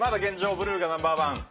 ブルーがナンバー１。